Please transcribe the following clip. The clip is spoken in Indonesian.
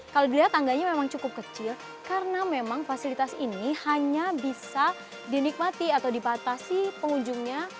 kalau dilihat tangganya memang cukup kecil karena memang fasilitas ini hanya bisa dinikmati atau dipatasi pengunjungnya